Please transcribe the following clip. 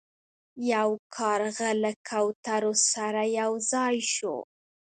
یو کارغه له کوترو سره یو ځای شو.